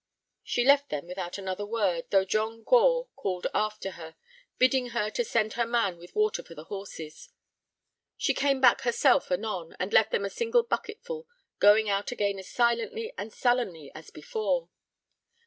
She left them without another word, though John Gore called after her, bidding her to send her man with water for the horses. She came back herself anon, and left them a single bucketful, going out again as silently and sullenly as before.